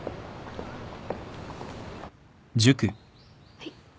はい。